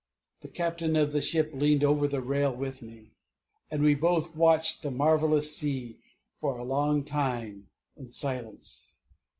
The captain of the ship leaned over the rail with me; and we both watched the marvellous sea for a long time in silence.